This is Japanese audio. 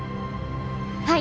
はい！